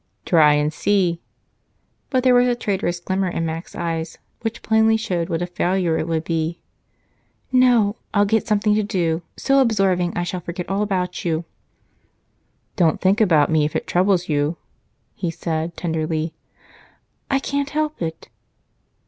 "Try and see." But there was a traitorous glimmer in Mac's eyes which plainly showed what a failure it would be. "No, I'll get something to do, so absorbing I shall forget all about you." "Don't think about me if it troubles you," he said tenderly. "I can't help it."